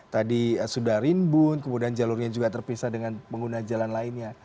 tadi sudah rimbun kemudian jalurnya juga terpisah dengan pengguna jalan lainnya